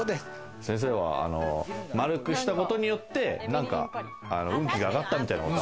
先生は丸くしたことによって運気が上がったみたいなことは？